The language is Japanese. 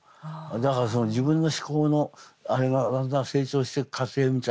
だから自分の思考のあれがだんだん成長していく過程みたいなのを。